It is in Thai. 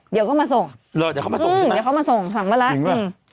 เดี๋ยวก็มาส่งเดี๋ยวเขามาส่งใช่ไหมอืมเดี๋ยวเขามาส่งสั่งไปแล้วอืม